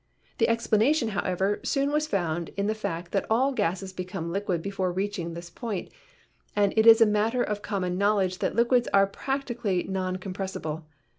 The explanation, how ever, soon was found in the fact that all gases become liquid before reaching this point, and it is a matter of com mon knowledge that liquids are practically non compress ible.